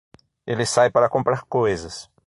Ele sai para comprar coisas